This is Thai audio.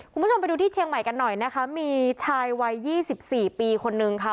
คุณผู้ชมไปดูที่เชียงใหม่กันหน่อยนะคะมีชายวัยยี่สิบสี่ปีคนนึงค่ะ